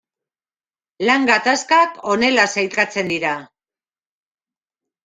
Lan gatazkak honela sailkatzen dira.